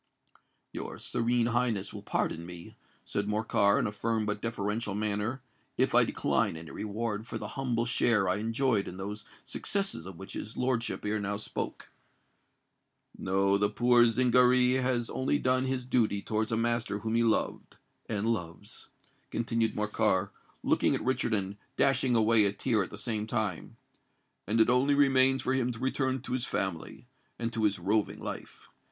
"Your Serene Highness will pardon me," said Morcar, in a firm but deferential manner, "if I decline any reward for the humble share I enjoyed in those successes of which his lordship ere now spoke. No:—the poor Zingaree has only done his duty towards a master whom he loved—and loves," continued Morcar, looking at Richard and dashing away a tear at the same time; "and it only remains for him to return to his family—and to his roving life.